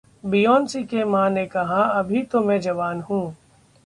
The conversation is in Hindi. बेयोंसे की मां ने कहा 'अभी तो मैं जवान हूं'